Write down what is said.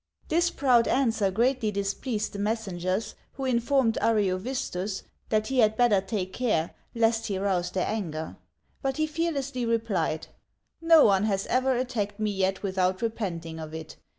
This proud answer greatly displeased the messengers, who informed Ariovistus that he had better take care lest he rouse their anger ; but he fearlessly replied :" No one has ever attacked me yet without repenting of it.